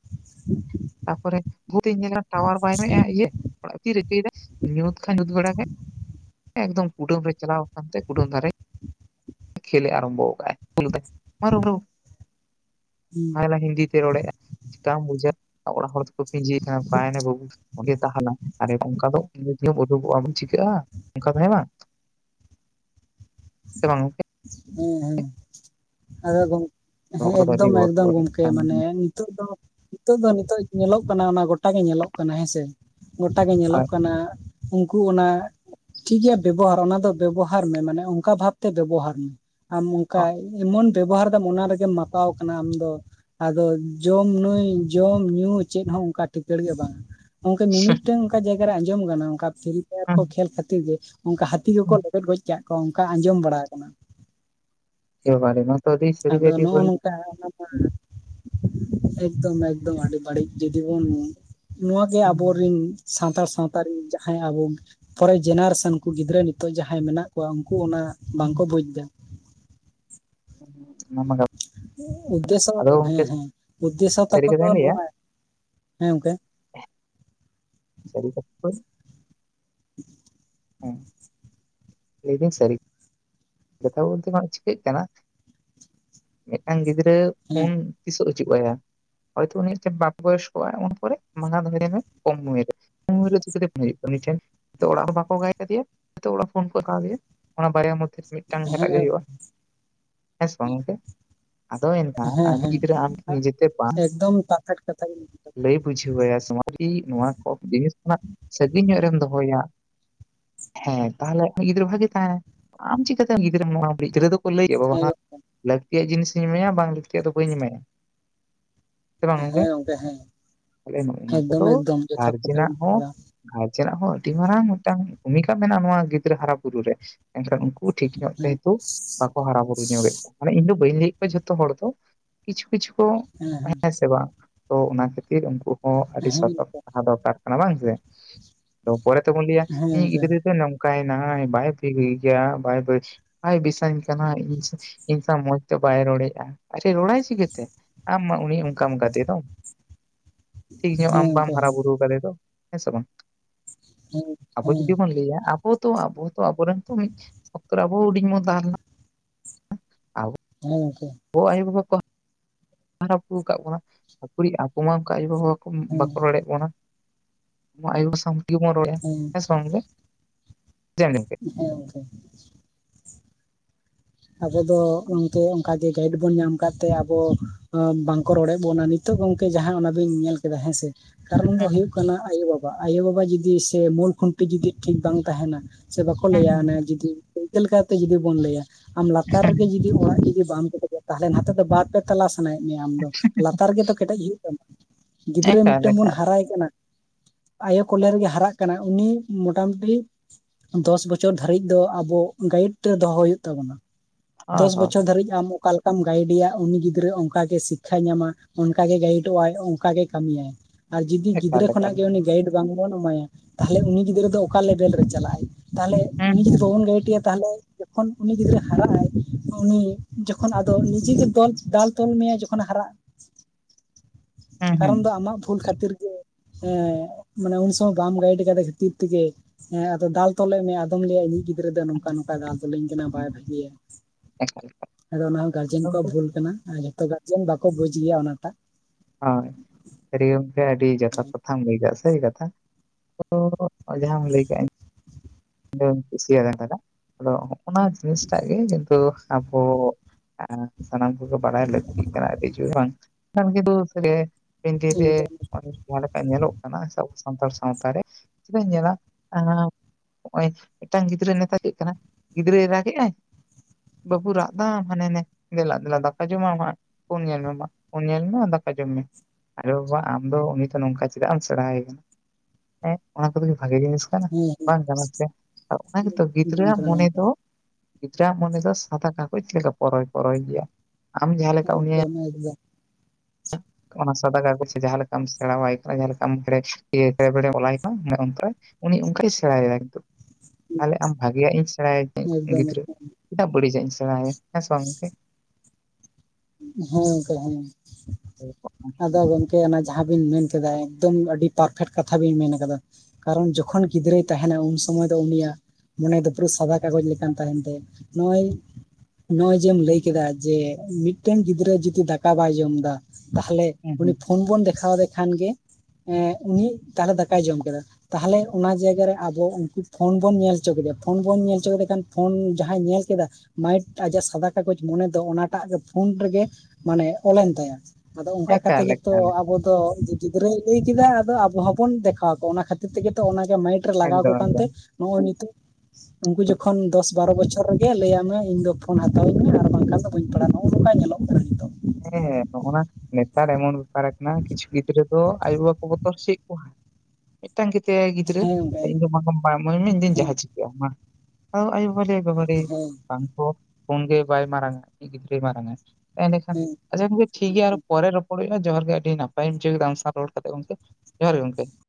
[inaudible] ᱛᱟᱯᱚᱨᱮ ᱫᱩ ᱛᱤᱱ ᱡᱟᱣᱜᱟ ᱯᱟᱣᱟᱨ ᱵᱟᱭ ᱮᱢᱮᱜᱟ ᱤᱭᱟᱹ ᱚᱲᱟᱜ ᱛᱤ ᱨᱮ ᱜᱤ ᱨᱮ ᱧᱩᱛ ᱠᱷᱟᱱ ᱧᱩᱛ ᱵᱮᱲᱟ ᱜᱮ ᱦᱮᱸ ᱮᱠᱫᱚᱢ ᱠᱩᱰᱟᱹᱢ ᱨᱮ ᱪᱟᱞᱟᱣ ᱟᱠᱟᱱ ᱛᱮ ᱠᱩᱰᱟᱹᱢ ᱫᱷᱟᱨᱮᱭ [inaudible] ᱠᱷᱮᱞ ᱮ ᱟᱨᱚᱢᱵᱷᱚ ᱟᱠᱟᱜ ᱟᱭ [unintelligible] ᱦᱮᱸ ᱛᱟᱦᱚᱞᱮ ᱦᱤᱱᱫᱤ ᱛᱮ ᱨᱚᱲᱮᱫ-ᱟ ᱪᱤᱠᱟᱢ ᱵᱩᱡᱷᱟᱣ ᱚᱲᱟᱜ ᱦᱚᱲ ᱫᱚᱠᱚ [unintelligible] ᱠᱟᱱᱟ ᱚᱠᱟ ᱭᱱᱟᱭ ᱵᱟᱹᱵᱩ [unintelligible] ᱛᱟᱦᱮᱱᱟ ᱟᱨᱮ ᱚᱱᱠᱟ ᱫᱚ [unintelligible] ᱩᱰᱩᱜᱚᱜᱼᱟ ᱵᱟᱢ ᱪᱤᱠᱟᱹᱜ-ᱟ᱾ ᱚᱱᱠᱟ ᱛᱟᱦᱮᱸ [inaudible] ᱪᱮ ᱵᱟᱝ ᱜᱟᱝᱠᱮ ᱦᱮᱸ ᱦᱮᱸ ᱟᱫᱚ ᱱᱚᱣᱟ [unintelligible] ᱫᱚ ᱟᱹᱰᱤ ᱮᱠᱫᱚᱢ ᱮᱠᱫᱚᱢ ᱵᱚᱛᱚᱨ ᱜᱚᱝᱠᱮ ᱢᱤᱫᱴᱟᱝ ᱢᱟᱱᱮ ᱱᱤᱛᱚᱜ ᱫᱚ ᱱᱤᱛᱚᱝ ᱫᱚ ᱱᱤᱛᱚᱜ ᱧᱮᱞᱚᱜ ᱠᱟᱱᱟ ᱚᱱᱟ ᱜᱚᱴᱟ ᱜᱮ ᱧᱮᱞᱚᱜ ᱠᱟᱱᱟ ᱦᱮᱸᱥᱮ? ᱜᱚᱴᱟ ᱜᱮ ᱧᱮᱞᱚᱜ ᱟᱨ ᱠᱟᱱᱟ ᱾ ᱩᱱᱠᱩ ᱚᱱᱟ ᱴᱷᱤᱠ ᱜᱮᱭᱟ ᱵᱮᱵᱚᱦᱟᱨ ᱚᱱᱟ ᱫᱚ ᱵᱮᱵᱚᱦᱟᱨ ᱢᱮ ᱢᱟᱱᱮ ᱚᱠᱟ ᱵᱷᱟᱵᱛᱮ ᱵᱮᱵᱚᱦᱟᱨ ᱤᱧ ᱟᱢ ᱚᱱᱠᱟ ᱮᱢᱚᱱ ᱵᱮᱵᱚᱦᱟᱨ ᱫᱟᱢ ᱚᱱᱟ ᱨᱮᱜᱮᱢ ᱢᱟᱛᱟᱣ ᱠᱟᱱᱟ ᱟᱢ ᱫᱚ ᱾ ᱟᱫᱚ ᱡᱚᱢ ᱧᱩᱭ ᱡᱚᱢ ᱧᱩ ᱪᱮᱫ ᱦᱚᱸ ᱚᱱᱠᱟ ᱴᱤᱠᱟᱸᱲ ᱜᱮ ᱵᱟᱝᱟ ᱾ ᱚᱱᱠᱟ ᱢᱤᱢᱤᱫᱴᱟᱝ ᱚᱱᱠᱟ ᱡᱟᱭᱜᱟᱨᱮ ᱟᱸᱡᱚᱢ ᱟᱠᱟᱱᱟ ᱚᱱᱠᱟ ᱯᱷᱤᱨᱤ ᱯᱷᱟᱭᱟᱨ ᱠᱚ ᱠᱷᱮᱞ ᱠᱷᱟᱹᱛᱤᱨ ᱜᱮ ᱚᱱᱠᱟ ᱦᱟᱹᱛᱤ ᱠᱚᱠᱚ ᱞᱮᱵᱮᱫ ᱜᱚᱡᱽ ᱠᱟᱫ ᱠᱚᱣᱟ ᱚᱱᱠᱟ ᱟᱸᱡᱚᱢ ᱵᱟᱲᱟ ᱟᱠᱟᱱᱟ ᱾ ᱮ ᱵᱟᱵᱟ ᱨᱮ ᱱᱚᱣᱟ ᱛᱚ ᱟᱹᱰᱤ ᱟᱫᱚ ᱜᱮ ᱵᱟᱹᱲᱤᱡ [unintelligible] [unintelligible] ᱮᱠᱫᱚᱢ ᱮᱠᱫᱚᱢ ᱟᱹᱰᱤ ᱵᱟᱹᱲᱤᱡ ᱡᱩᱫᱤ ᱵᱚᱱ ᱱᱚᱣᱟ ᱜᱮ ᱟᱵᱚ ᱨᱮᱱ ᱥᱟᱱᱛᱟᱲ ᱥᱟᱶᱛᱟ ᱨᱮᱱ ᱡᱟᱦᱟᱸᱭ ᱟᱵᱚ [unintelligible] ᱡᱮᱱᱟᱨᱮᱥᱚᱱ ᱠᱚ ᱜᱤᱫᱽᱨᱟᱹ ᱱᱤᱛᱚᱜ ᱡᱟᱦᱟᱸᱭ ᱢᱮᱱᱟᱜ ᱠᱚᱣᱟ ᱩᱱᱠᱩ ᱚᱱᱟ ᱵᱟᱝᱠᱚ ᱵᱩᱡ ᱮᱫᱟ ᱾ [inaudible] ᱩᱫᱽᱫᱮᱥᱚ ᱟᱫᱚ ᱦᱮᱸ ᱜᱚᱝᱠᱮ ᱦᱮᱸ ᱩᱫᱽᱫᱮᱥᱚ ᱥᱟᱹᱨᱤ ᱛᱟᱠᱚ ᱫᱚ ᱠᱟᱛᱷᱟᱧ ᱞᱟᱹᱭᱟ ᱱᱚᱣᱟ, ᱦᱮᱸ ᱜᱚᱝᱠᱮ ᱾ [unintelligible] ᱥᱟᱹᱨᱤ [unintelligible] [inaudible] ᱦᱮᱸ [inaudible] ᱞᱟᱭ ᱵᱤᱱ [unintelligible] ᱡᱚᱛᱷᱟ ᱵᱚᱞᱛᱮ ᱱᱟᱜ ᱪᱤᱠᱟᱹᱜ ᱠᱟᱱᱟ ᱢᱤᱫᱴᱟᱝ ᱜᱤᱫᱽᱨᱟᱹ ᱦᱮᱸ ᱩᱱ ᱛᱤᱥᱚᱜ ᱦᱤᱡᱩᱜ ᱟᱭ ᱦᱟᱜ ᱦᱚᱭᱛᱚ ᱩᱱᱤᱴᱮᱱ ᱵᱟᱯ ᱵᱚᱭᱚᱥ ᱠᱚᱜᱼᱟᱭ ᱩᱱ ᱯᱚᱨᱮ ᱢᱟ ᱛᱟᱦᱮᱱᱟ ᱠᱚᱢ ᱩᱢᱮᱨ ᱨᱮ ᱠᱟᱹᱢᱤᱪ [unintelligible] ᱱᱤᱛᱚᱜ ᱚᱲᱟᱜ ᱦᱚᱸ ᱵᱟᱠᱚ ᱜᱟᱭᱤᱰ ᱟᱫᱮᱭᱟ ᱱᱤᱛᱚᱜ ᱚᱲᱟᱜ ᱦᱚᱲ ᱯᱷᱳᱱ ᱠᱚ ᱦᱛᱣᱟᱫᱮᱭᱟ ᱚᱱᱟ ᱵᱟᱨᱭᱟ ᱢᱚᱫᱽᱫᱷᱮ ᱢᱤᱫ ᱴᱟᱝ [unintelligible] ᱦᱮᱸ ᱜᱮ ᱦᱩᱭᱩᱜᱼᱟ, ᱦᱮᱸᱥᱮ ᱵᱟᱝ ᱜᱚᱝᱠᱮ? ᱟᱫᱚ ᱮᱱᱠᱷᱟᱱ ᱦᱮᱸ ᱟᱢ ᱨᱮᱱ ᱦᱮᱸ ᱜᱤᱫᱽᱨᱟᱹ ᱟᱢ ᱱᱤᱡᱮᱛᱮ ᱵᱟᱢ ᱮᱠᱫᱚᱢ ᱯᱟᱨᱯᱷᱮᱠᱴ ᱠᱟᱛᱷᱟ ᱜᱮ ᱞᱟᱹᱭ ᱵᱩᱡᱷᱟᱹᱣᱟ ᱥᱮ ᱱᱚᱣᱟ ᱠᱚ ᱡᱤᱱᱤᱥ ᱠᱷᱚᱱᱟᱜ ᱥᱺᱟᱹᱜᱤᱧ ᱧᱚᱜ ᱨᱮᱢ ᱫᱚᱦᱚᱭᱟ ᱾ ᱦᱮᱸ, ᱛᱟᱦᱚᱞᱮ ᱩᱱᱤ ᱜᱤᱫᱽᱨᱟᱹ ᱵᱷᱟᱜᱮ ᱛᱟᱦᱮᱱᱟ ᱟᱢ ᱪᱤᱠᱟᱹᱛᱮ ᱜᱤᱫᱽᱨᱟᱹ ᱢᱤᱫ ᱜᱤᱫᱨᱟᱹ ᱫᱚᱠᱚ ᱞᱟᱹᱭᱮᱫᱼᱟ ᱵᱟᱵᱟ ᱦᱮᱸ ᱜᱚᱝᱠᱮ ᱞᱟᱹᱠᱛᱤᱭᱟᱜ ᱡᱤᱱᱤᱥᱤᱧ ᱮᱢᱟᱭᱟ ᱵᱟᱝ ᱞᱟᱹᱠᱤᱭ ᱫᱚ ᱵᱟᱹᱧ ᱮᱢᱟᱭᱟ ᱾ ᱥᱮ ᱵᱟᱝ ᱜᱚᱝᱠᱮ? ᱦᱮᱸ ᱦᱮᱸ ᱛᱟᱦᱞᱮ ᱚᱱᱟ ᱮᱠᱫᱚᱢ ᱠᱚᱫᱚ ᱮᱠᱫᱚᱢ ᱡᱚᱛᱷᱟᱛ ᱠᱟᱛᱷᱟ ᱜᱟᱨᱡᱮᱱᱟᱜ ᱜᱮᱢ ᱢᱮᱱ ᱦᱚᱸ ᱠᱟᱫᱟ ᱜᱟᱨᱡᱮᱱᱟᱜ ᱦᱚᱸ ᱟᱹᱰᱤ ᱢᱟᱨᱟᱝ ᱢᱤᱫᱴᱟᱝ ᱵᱷᱩᱢᱤᱠᱟ ᱢᱮᱱᱟᱜᱼᱟ ᱱᱚᱣᱟ ᱜᱤᱫᱽᱨᱟᱹ ᱦᱟᱨᱟ ᱵᱩᱨᱩ ᱨᱮ, ᱢᱮᱱᱠᱷᱟᱱ ᱴᱷᱤᱠ ᱧᱚᱜ ᱛᱮ ᱦᱮᱸ ᱦᱮᱸᱛᱳᱜ ᱵᱟᱠᱚ ᱦᱟᱨᱟ ᱵᱩᱨᱩᱩᱭ ᱧᱚᱜᱮᱫ ᱠᱚᱣᱟ ᱾ ᱢᱟᱱᱮ ᱤᱧ ᱫᱚ ᱵᱟᱹᱧ ᱞᱟᱹᱭᱮᱫ ᱠᱚᱣᱟ ᱡᱷᱚᱛᱚ ᱦᱚᱲ ᱫᱚ ᱠᱤᱪᱷᱩ ᱠᱤᱪᱷᱩ ᱠᱚ ᱾ ᱦᱮᱸ ᱥᱮ ᱵᱟᱝ? ᱛᱚ ᱚᱱᱟ ᱠᱷᱟᱹᱛᱤᱨ ᱩᱱᱠᱩ ᱦᱚᱸ ᱟᱹᱰᱤ ᱦᱮᱸ ᱜᱚᱝᱠᱮ ᱥᱚᱛᱚᱨᱠᱚᱛᱟ ᱫᱚᱨᱠᱟᱨ ᱠᱟᱱᱟ ᱵᱟᱝ ᱥᱮ? ᱯᱚᱨᱮ ᱛᱮᱵᱚᱱ ᱞᱟᱹᱭᱟ ᱦᱮᱸ ᱤᱧ ᱨᱤᱡ ᱜᱚᱝᱠᱮ ᱜᱤᱫᱽᱨᱟᱹ ᱫᱚ ᱱᱚᱝ ᱱᱚᱠᱟᱭ ᱮᱱᱟᱭ ᱵᱟᱭ [unintelligible] ᱜᱮᱭᱟ, ᱵᱟᱭ ᱵᱟᱭ ᱵᱮᱥᱟᱹᱧ ᱠᱟᱱᱟ, ᱤᱧ ᱥᱟᱶ ᱢᱚᱡᱽ ᱛᱮ ᱵᱟᱭ ᱨᱚᱲᱮᱜᱼᱟ ᱾ ᱟᱨᱮ ᱨᱚᱲᱟᱭ ᱪᱤᱠᱟᱹᱛᱮ ᱟᱢ ᱢᱟ ᱩᱱᱤ ᱚᱱᱠᱟᱢ ᱠᱟᱛᱮ ᱫᱚ ᱾ [inaudible] ᱴᱷᱤᱠ ᱧᱚᱜ ᱟᱢ ᱦᱮᱸ ᱵᱟᱢ ᱜᱚᱝᱠᱮ ᱦᱟᱨᱟ ᱦᱮᱸ ᱵᱩᱨᱩ ᱠᱟᱫᱮ ᱫᱚ ᱦᱮᱸ ᱥᱮ ᱵᱟᱝ ᱟᱵᱚ ᱦᱮᱸ ᱡᱩᱫᱤ ᱵᱚᱱ ᱞᱟᱹᱭᱟ ᱟ ᱛᱚ ᱟᱵᱚ ᱛᱚ ᱟᱵᱚ ᱨᱮᱱ ᱛᱚ ᱟᱵᱚ ᱦᱚᱸ ᱦᱩᱰᱤᱧ ᱵᱚᱱ ᱛᱟᱦᱮᱸ ᱞᱮᱱᱟ ᱾ ᱦᱮᱸᱜᱚᱝᱠᱮ ᱾ ᱜᱚ ᱟᱭᱳ ᱵᱟᱵᱟ ᱠᱚ ᱨᱟᱯᱩ ᱟᱠᱟᱫ ᱵᱚᱱᱟ ᱟᱵᱚ ᱢᱟ ᱚᱱᱠᱟ ᱟᱭᱳ ᱵᱟᱵᱟ ᱦᱮᱸ ᱵᱟᱠᱚ ᱨᱚᱲᱮᱫ ᱵᱚᱱᱟ ᱾ ᱟᱭᱳᱵ ᱥᱟᱛᱷᱤᱝ ᱵᱚᱱ ᱨᱚᱲᱭᱟ ᱦᱮᱸ ᱥᱮ ᱜᱚᱝᱠᱮ ᱦᱮᱸ ᱜᱚᱝᱠᱮ ᱾ ᱟᱵᱚ ᱫᱚ ᱦᱩᱸ ᱜᱚᱝᱠᱮ ᱚᱱᱠᱟ ᱜᱮ ᱜᱟᱭᱤᱰ ᱵᱚᱱ ᱧᱟᱢ ᱚᱱᱠᱟ ᱛᱮ ᱟᱵᱚ ᱵᱟᱝᱠᱚ ᱨᱚᱲᱮᱫ ᱵᱚᱱᱟ ᱾ ᱱᱤᱛᱚᱜ ᱜᱚᱝᱠᱮ ᱡᱟᱦᱟᱸ ᱚᱱᱟ ᱫᱚᱧ ᱧᱮᱞ ᱠᱮᱫᱟ ᱦᱮᱸ ᱥᱮ ᱾ ᱠᱟᱨᱚᱱ ᱫᱚ ᱦᱩᱸ ᱦᱩᱭᱩᱜ ᱠᱟᱱᱟ ᱟᱭᱳᱼᱵᱟᱵᱟ, ᱟᱭᱳᱼᱵᱟᱵᱟ ᱡᱩᱫᱤ ᱥᱮ ᱢᱩᱞ ᱠᱷᱩᱱᱴᱤ ᱡᱩᱫᱤ ᱴᱷᱤᱠ ᱵᱟᱝ ᱛᱟᱦᱮᱱᱟ ᱾ ᱥᱮ ᱵᱟᱠᱚ ᱦᱩᱸ ᱞᱟᱹᱭᱟ ᱦᱩᱸ ᱚᱱᱮ ᱡᱩᱫᱤ ᱠᱟᱹ ᱞᱮᱠᱟᱛᱮ ᱡᱩᱫᱤ ᱵᱚᱱ ᱞᱟᱹᱭᱟ ᱟᱢ ᱞᱟᱛᱟᱨ ᱨᱮᱜᱮ ᱦᱩᱸ ᱡᱩᱫᱤ ᱚᱲᱟᱜ ᱡᱩᱫᱤ ᱵᱟᱢ ᱫᱮ ᱛᱟᱦᱚᱞᱮ ᱚᱱᱛᱮ ᱫᱚ ᱵᱟᱫᱮ ᱛᱟᱞᱟ ᱥᱟᱱᱟᱭᱮᱫ ᱢᱮᱭᱟ ᱟᱢ ᱫᱚ ᱞᱟᱛᱟᱨ ᱨᱮ ᱜᱮᱛᱚ ᱠᱮᱴᱮᱡ ᱦᱩᱭᱩᱜ ᱛᱟᱢᱟ, ᱜᱤᱫᱽᱨᱟᱹ ᱮᱠᱟᱞ ᱢᱤᱫᱴᱟᱝ ᱵᱚᱱ ᱮᱠᱟᱞ ᱦᱟᱨᱟᱭ ᱠᱟᱱᱟ, ᱟᱭᱳ ᱠᱚᱞᱮ ᱨᱮᱜᱮ ᱦᱟᱨᱟᱜ ᱠᱟᱱᱟ ᱩᱱᱤ ᱢᱚᱴᱟᱢᱩᱴᱤ ᱫᱚᱥ ᱵᱚᱪᱷᱚᱨ ᱫᱷᱟᱹᱨᱤᱡ ᱫᱚ ᱟᱵᱚ ᱜᱟᱭᱤᱰ ᱛᱮ ᱫᱚᱦᱚ ᱦᱩᱭᱩᱜ ᱛᱟ ᱾ ᱦᱳᱭ ᱫᱚᱥ ᱦᱳᱭ ᱵᱚᱪᱷᱚᱨ ᱦᱳᱭ ᱫᱷᱟᱨᱤᱡ ᱟᱢ ᱚᱠᱟ ᱞᱮᱠᱟ ᱟᱢ ᱜᱟᱭᱤᱰᱮᱭᱟ ᱩᱱᱤ ᱜᱤᱫᱽᱨᱟᱹ ᱚᱱᱠᱟ ᱜᱮ ᱥᱤᱠᱠᱟᱭ ᱧᱟᱢᱟ, ᱚᱱᱠᱟᱜ ᱜᱮ ᱜᱟᱭᱤᱰᱚᱜ ᱟᱭ ᱚᱱᱠᱟ ᱜᱮ ᱠᱟᱹᱢᱤᱭᱟᱭ ᱾ ᱟᱨ ᱡᱩᱫᱤ ᱮᱠᱟᱞ ᱜᱤᱫᱽᱨᱟᱹ ᱮᱠᱟᱞ ᱠᱷᱚᱱᱟᱜ ᱜᱮ ᱩᱱᱤ ᱜᱟᱭᱤᱰ ᱵᱟᱝ ᱵᱚᱱ ᱮᱢᱟᱭᱟ, ᱛᱟᱦᱚᱞᱮ ᱩᱱᱤ ᱜᱤᱫᱽᱨᱟᱹ ᱫᱚ ᱚᱠᱟ ᱞᱮᱵᱮᱞ ᱨᱮ ᱪᱟᱞᱟᱜᱼ ᱟᱭ ᱾ ᱛᱟᱦᱚᱞᱮ ᱦᱩᱸ ᱩᱱᱤ ᱡᱩᱫᱤ ᱦᱩᱸ ᱵᱟᱵᱚᱱ ᱜᱟᱭᱤᱰᱤᱭᱟ ᱛᱟᱦᱚᱞᱮ ᱡᱚᱠᱷᱚᱱ ᱩᱱᱤ ᱜᱤᱫᱽᱨᱟᱹ ᱦᱟᱨᱟᱜ ᱟᱭ ᱩᱱᱤ ᱡᱚᱠᱷᱚᱱ ᱟᱫᱚ ᱱᱤᱡᱮ ᱫᱚ ᱫᱟᱞ ᱛᱚᱞ ᱢᱮᱭᱟᱭ ᱡᱚᱠᱷᱚᱱᱮ ᱦᱟᱨᱟᱜ ᱾ ᱦᱩᱸ ᱦᱩᱸ ᱠᱟᱨᱚᱱ ᱫᱚ ᱟᱢᱟᱜ ᱵᱷᱩᱞ ᱠᱷᱟᱹᱛᱤᱨ ᱜᱮ ᱮᱸ ᱢᱟᱱᱮ ᱩᱱ ᱥᱚᱢᱚᱭ ᱵᱟᱢ ᱜᱟᱭᱤᱰ ᱠᱟᱫᱮ ᱠᱷᱟᱹᱛᱤᱨ ᱛᱮᱜᱮ ᱦᱮᱸ ᱟᱫᱚ ᱫᱟᱞ ᱛᱚᱞᱮᱫ ᱢᱮᱭᱟ ᱟᱫᱚᱢ ᱞᱟᱹᱭᱟ ᱤᱧᱤᱡ ᱜᱤᱫᱽᱨᱟᱹ ᱜᱤᱫᱽᱨᱟᱹ ᱫᱚ ᱱᱚᱝᱠᱟ ᱱᱚᱝᱠᱟᱭ ᱫᱟᱞ ᱛᱚᱞᱤᱧ ᱠᱟᱱᱟ ᱦᱩᱸ ᱵᱟᱭ ᱵᱷᱟᱹᱜᱤᱭᱟ ᱮᱠᱟᱞ ᱮᱠᱟᱞ ᱾ ᱟᱫᱚ ᱚᱱᱟ ᱦᱚᱸ ᱜᱟᱨᱡᱮᱱ ᱠᱚᱣᱟᱜ ᱵᱷᱩᱞ ᱠᱟᱱᱟ, ᱡᱚᱛᱚ ᱜᱟᱨᱡᱮᱱ ᱵᱟᱠᱚ ᱵᱩᱡ ᱜᱮᱭᱟ ᱚᱱᱟᱴᱟᱜ ᱾ ᱦᱳᱭ, ᱥᱟᱹᱨᱤ ᱜᱚᱝᱠᱮ ᱟᱹᱰᱤ ᱡᱚᱷᱟᱛ ᱠᱟᱛᱷᱟᱢ ᱞᱟᱹᱭ ᱠᱟᱜᱼᱟ ᱥᱟᱹᱨᱤ ᱠᱟᱛᱷᱟ ᱾ ᱛᱚ ᱡᱟᱦᱟᱸᱟᱢ ᱞᱟᱹᱭ ᱠᱮᱜᱼᱟ ᱤᱧ ᱫᱚᱧ ᱠᱩᱥᱤᱭᱟᱫᱟ ᱟᱫᱚ ᱦᱚᱜᱱᱟ ᱡᱤᱱᱤᱥᱴᱟᱜ ᱜᱮ ᱠᱤᱱᱛᱩ ᱟᱵᱚ ᱥᱟᱱᱟᱢ ᱠᱚᱜᱮ ᱵᱟᱲᱟᱭ ᱞᱟᱹᱠᱛᱤᱜ ᱠᱟᱱᱟ ᱟᱹᱰᱤ ᱡᱩᱫᱤ ᱵᱟᱝ ᱯᱤᱱᱛᱤ ᱛᱮ ᱮᱠᱫᱚᱢ ᱡᱟᱦᱟᱸ ᱞᱮᱠᱟ ᱧᱮᱞᱚᱜ ᱠᱟᱱᱟ ᱟᱵᱚ ᱥᱟᱱᱛᱟᱲ ᱥᱟᱶᱛᱟ ᱨᱮ ᱪᱮᱫᱟᱧ ᱧᱮᱞᱟ ᱱᱚᱜᱼᱚᱭ ᱢᱤᱫᱴᱟᱝ ᱜᱤᱫᱽᱨᱟᱹ ᱱᱮᱛᱟᱨ ᱪᱮᱫ ᱠᱟᱱᱟ ᱜᱤᱫᱽᱨᱟᱹᱭ ᱨᱟᱜᱮ ᱟᱭ ᱵᱟᱵᱩ ᱨᱟᱫᱟᱢ ᱢᱟᱱᱮ ᱫᱮᱞᱟ ᱫᱮᱞᱟ ᱫᱟᱠᱟ ᱡᱚᱢᱟᱢ ᱯᱩᱱ ᱧᱮᱞ ᱢᱮ ᱢᱟ ᱯᱩᱱ ᱧᱮᱞ ᱢᱮ ᱫᱟᱠᱟ ᱡᱚᱢ ᱢᱮ ᱟᱨᱮ ᱵᱟᱵᱟ ᱟᱢ ᱫᱚ ᱩᱱᱤ ᱫᱚ ᱱᱚᱝᱠᱟ ᱪᱮᱫᱟᱜ ᱮᱢ ᱥᱮᱬᱟᱭᱮ ᱠᱟᱱᱟ ᱦᱮᱸ ᱚᱱᱟ ᱠᱚᱫᱚ ᱵᱷᱟᱜᱤ ᱡᱤᱱᱤᱥ ᱠᱟᱱᱟ ᱾ ᱦᱮᱸ ᱵᱟᱝ ᱜᱟᱱᱚᱜ ᱛᱮ ᱚᱱᱟ ᱜᱮᱛᱚ ᱦᱮᱸ ᱵᱟᱝ ᱜᱤᱫᱽᱨᱟᱹᱣᱟᱜ ᱠᱟᱱᱟ ᱢᱚᱱᱮ ᱵᱟᱝ ᱫᱚ ᱜᱤᱫᱽᱨᱟᱹ ᱟ ᱢᱚᱱᱮ ᱫᱚ ᱥᱟᱫᱟ ᱠᱟᱜᱚᱡ ᱞᱮᱠᱟ ᱯᱚᱨᱚᱭ ᱯᱚᱨᱚᱭ ᱜᱮᱭᱟ᱾ ᱟᱢ ᱡᱟᱦᱟᱸ ᱦ ᱞᱮᱠᱟ ᱩᱱᱤ ᱫᱟ ᱚᱱᱟ ᱥᱟᱫᱟ ᱠᱟᱜᱚᱡᱽ ᱥᱮ ᱡᱟᱦᱟᱸ ᱞᱮᱠᱟᱢ ᱥᱮᱬᱟ ᱟᱭ ᱠᱟᱱᱟ ᱡᱟᱦᱟᱸ ᱠᱮᱲᱮ ᱵᱮᱲᱮ ᱚᱞᱟᱭ ᱠᱟᱱᱟ ᱚᱱ ᱚᱱᱠᱟ ᱩᱱᱤ ᱚᱱᱠᱟᱭ ᱥᱮᱬᱟᱭᱟ ᱠᱤᱱᱛᱩ ᱛᱟᱦᱞᱮ ᱟᱢ ᱵᱷᱟᱜᱤᱭᱟᱜ ᱤᱧ ᱥᱮᱬᱟᱭᱟ ᱤ ᱮᱠᱫᱚᱢ ᱜᱤᱫᱽᱨᱟᱹ ᱮᱠᱫᱚᱢ ᱪᱮᱫᱟᱜ ᱵᱟᱹᱲᱤᱡᱟᱜ ᱤᱧ ᱥᱮᱬᱟᱭᱟ ᱦᱮ ᱥᱮ ᱜᱚᱢᱠᱮ ᱦᱮᱸᱚᱱᱠᱟ ᱦᱮᱸ ᱟᱫᱚ ᱜᱚᱝᱠᱮ ᱜᱚᱢᱠᱮ ᱚᱱᱟ ᱡᱟᱦᱟᱸ ᱵᱤᱱ ᱢᱮᱱ ᱠᱮᱫᱟ ᱮᱠᱫᱚᱢ ᱟᱹᱰᱤ ᱯᱟᱨᱯᱷᱮᱠᱴ ᱠᱟᱛᱷᱟ ᱵᱤᱱ ᱢᱮᱱ ᱟᱠᱟᱫᱟ ᱾ ᱠᱟᱨᱚᱱ ᱡᱚᱠᱷᱚᱱ ᱜᱤᱫᱽᱨᱟᱹᱭ ᱛᱟᱦᱮᱱᱟ ᱩᱱ ᱥᱚᱢᱚᱭ ᱫᱚ ᱩᱱᱤᱭᱟᱜ ᱢᱚᱱᱮ ᱫᱚ ᱯᱩᱨᱟᱹ ᱥᱟᱫᱟ ᱠᱟᱜᱚᱡᱽ ᱞᱮᱠᱟᱱ ᱛᱟᱦᱮᱱ ᱛᱟᱭᱟ ᱱᱚᱜᱼᱚᱭ ᱱᱚᱜ ᱚᱞᱚᱭ ᱡᱮᱢ ᱞᱟᱹᱭᱠᱟ ᱡᱮ ᱢᱤᱫᱴᱮᱱ ᱜᱤᱫᱽᱨᱟᱹ ᱡᱩᱫᱤ ᱫᱟᱠᱟ ᱵᱟᱭ ᱡᱚᱢ ᱮᱫᱟ ᱛᱟᱦᱚᱞᱮ ᱦᱩᱸ ᱩᱱᱤ ᱦᱩᱸ ᱯᱷᱳᱱ ᱵᱚᱱ ᱫᱮᱠᱷᱟᱣ ᱫᱮ ᱠᱷᱟᱱ ᱜᱮ ᱮ ᱩᱱᱤ ᱛᱟᱞᱦᱮ ᱫᱟᱠᱟᱭ ᱡᱚᱢ ᱠᱮᱫᱟ ᱾ ᱛᱟᱦᱚᱞᱮ ᱚᱱᱟ ᱡᱟᱭᱜᱟᱨᱮ ᱟᱵᱚ ᱩᱱᱠᱩ ᱯᱷᱳᱱ ᱵᱚᱱ ᱧᱮᱞ ᱦᱚᱪᱚ ᱠᱮᱫᱮᱭᱟ ᱯᱷᱳᱱ ᱵᱚᱱ ᱧᱮᱞ ᱦᱚᱪᱚ ᱠᱮᱫᱮ ᱠᱷᱟᱱ ᱯᱷᱳᱱ ᱡᱟᱦᱟᱸᱭ ᱧᱮᱞ ᱠᱮᱫᱟ ᱢᱟᱭᱤᱴ ᱟᱡᱟᱜ ᱥᱟᱫᱟ ᱠᱟᱜᱚᱡᱽ ᱢᱚᱱᱮ ᱫᱚ ᱚᱱᱟᱴᱟᱜ ᱜᱮ ᱯᱷᱳᱱ ᱨᱮᱜᱮ ᱢᱟᱱᱮ ᱚᱞ ᱮᱱ ᱛᱟᱭᱟ ᱟᱫᱚ ᱚᱱᱠᱟ ᱠᱟᱛᱮ ᱮᱠᱟᱞ ᱜᱮᱛᱚ ᱮᱠᱟᱞ ᱮᱠᱟᱞ ᱟᱵᱚ ᱫᱚ ᱜᱤᱫᱽᱨᱟᱹᱭ ᱞᱟᱹᱭ ᱠᱮᱫᱟ ᱟᱫᱚ ᱟᱵᱚ ᱦᱚᱸᱵᱚᱱ ᱫᱮᱠᱷᱟᱣ ᱠᱚᱣᱟ ᱚᱱᱟ ᱠᱷᱟᱹᱛᱤᱨ ᱛᱮᱜᱮ ᱛᱚ ᱚᱱᱟᱜᱮ ᱢᱟᱭᱤᱱᱰ ᱨᱮ ᱞᱟᱜᱟᱣ ᱠᱚ ᱮᱠᱫᱚᱢ ᱠᱟᱱᱛᱮ ᱮᱠᱫᱚᱢ ᱱᱚᱜᱼᱚᱭ ᱱᱤᱛᱚ ᱩᱱᱠᱩ ᱡᱚᱠᱷᱚᱱ ᱫᱚᱥ ᱵᱟᱨᱚ ᱵᱚᱪᱷᱚᱨ ᱨᱮᱜᱮ ᱞᱟᱹᱭᱟᱢ ᱢᱮ ᱤᱧ ᱫᱚ ᱯᱷᱳᱱ ᱦᱟᱛᱟᱣᱟᱹᱧ ᱢᱮ ᱟᱨ ᱵᱟᱝᱠᱷᱟᱱ ᱫᱚ ᱵᱟᱹᱧ ᱯᱟᱲᱟᱱᱚᱜᱼᱟ ᱚᱱᱚ ᱚᱱᱟ ᱧᱮᱞᱚᱜ ᱠᱟᱱᱟ ᱱᱤᱛᱚᱜ ᱦᱮᱸ ᱱᱚᱜᱼᱚ ᱱᱟ ᱱᱮᱛᱟᱨ ᱮᱢᱚᱱ ᱯᱟᱨ ᱠᱟᱱᱟ ᱠᱤᱪᱷᱩ ᱜᱤᱫᱽᱨᱟᱹ ᱫᱚ ᱟᱭᱳ ᱵᱟᱵᱟ ᱠᱚ ᱵᱚᱛᱚᱨ ᱦᱚᱪᱚᱭᱮᱫ ᱠᱚᱣᱟ ᱢᱤᱫᱴᱟᱝ ᱜᱮᱛᱟᱭ ᱜᱤᱫᱽᱨᱟᱹ ᱦᱮᱸ ᱜᱚᱝᱠᱮ ᱤᱧ ᱫᱚ ᱮᱠᱫᱚᱢ [unintelligible] ᱤᱧ ᱫᱚᱧ ᱦᱮᱸ ᱡᱟᱦᱟᱸ ᱪᱤᱠᱟᱹᱭᱟ ᱢᱟ ᱟᱫᱚ ᱟᱭᱳ ᱵᱟᱵᱟ ᱦᱚᱸᱭ ᱞᱟᱹᱭᱟ ᱵᱟᱵᱟ ᱨᱮ ᱦᱮᱸ ᱵᱟᱝ ᱠᱚ ᱯᱳᱱ ᱜᱮ ᱵᱟᱭ ᱢᱟᱨᱟᱝᱟ ᱤᱧᱤᱡ ᱜᱤᱫᱽᱨᱟᱹᱭ ᱢᱟᱨᱟᱝᱟ ᱮᱸᱰᱮᱠᱷᱟᱱ ᱦᱮᱸ ᱟᱪᱪᱷᱟ ᱜᱚᱝᱠᱮ ᱴᱷᱤᱠ ᱜᱮᱭᱟ ᱯᱚᱨᱚ ᱨᱚᱯᱚᱲ ᱦᱳᱭᱳᱜ-ᱟ, ᱡᱚᱦᱟᱨ ᱜᱮ ᱟᱹᱰᱤ ᱱᱟᱯᱟᱭ ᱜᱤᱧ ᱵᱩᱡᱷᱟᱹᱣ ᱠᱮᱫᱟ ᱟᱢ ᱥᱟᱶ ᱨᱚᱲ ᱠᱟᱛᱮ ᱜᱚᱝᱠᱮ ᱡᱚᱦᱟᱨ ᱜᱮ ᱜᱚᱝᱠᱮ